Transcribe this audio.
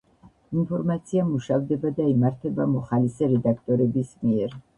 ინფორმაცია მუშავდება და იმართება მოხალისე რედაქტორების მიერ.